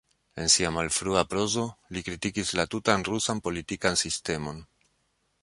En sia malfrua prozo, li kritikis la tutan rusan politikan sistemon.